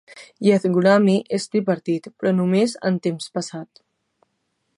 Yazghulami es tripartit, però només en temps passat.